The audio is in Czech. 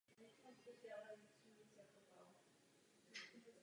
Byl zde také zřízen areál zdraví.